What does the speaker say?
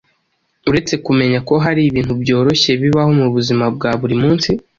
uretse kumenya ko hari ibintu byoroshye bibaho mu buzima bwa buri munsi